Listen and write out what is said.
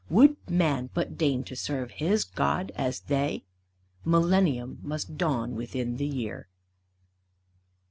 Would Man but deign to serve his God as they, Millennium must dawn within the year.